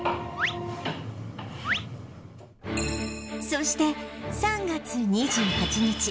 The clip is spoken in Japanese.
そして３月２８日